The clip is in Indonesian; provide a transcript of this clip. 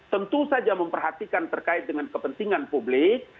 tentu saja memperhatikan terkait dengan kepentingan publik